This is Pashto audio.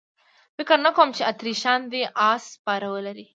فکر نه کوم چې اتریشیان دې اس سپاره ولري.